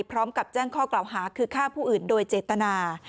พร้อมกับแจ้งข้อกล่าวหาคือฆ่าผู้อื่นโดยเจตนา